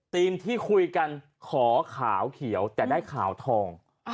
ที่คุยกันขอขาวเขียวแต่ได้ขาวทอง